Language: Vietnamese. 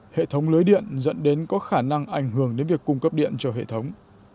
hệ thống lưới điện dẫn đến có khả năng ảnh hưởng đến việc cung cấp điện cho hệ thống